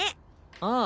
ああ。